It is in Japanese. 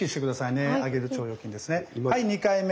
はい２回目。